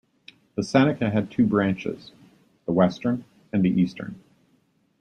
The Seneca had two branches; the western and the eastern.